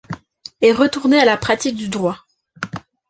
Est retourné à la pratique du droit.